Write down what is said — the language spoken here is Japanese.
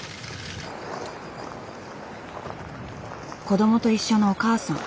子どもと一緒のお母さん。